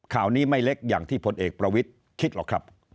ข่าวนี้ไม่เล็กอย่างที่พลเอกประวิทย์คิดหรอกครับ